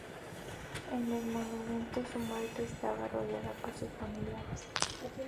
En el momento de su muerte, estaba rodeado por sus familiares.